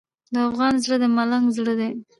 د افغان زړه د ملنګ زړه دی.